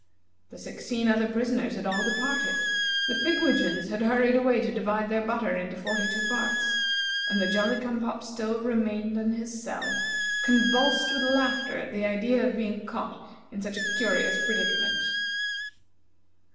The sixteen other prisoners had all departed; the pigwidgeons had hurried away to divide their butter into forty two parts, and the Jolly cum pop still remained in his cell, convulsed with laughter at the idea of being caught in such a curious predicament.